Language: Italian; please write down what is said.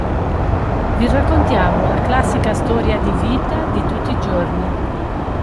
Vi raccontiamo una classica storia di vita di tutti giorni.